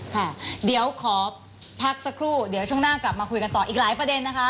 ค่ะเดี๋ยวขอพักสักครู่เดี๋ยวช่วงหน้ากลับมาคุยกันต่ออีกหลายประเด็นนะคะ